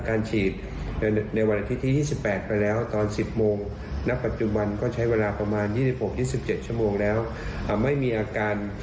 การฉีดวัคซีนแน่นอนก็เป็นการเพิ่มภูมิคุ้มกันและคนรอบข้าง